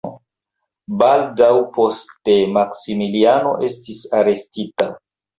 Baldaŭ poste Maksimiliano estis arestita.